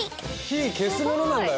火消すものなんだよ